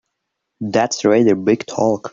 That's rather big talk!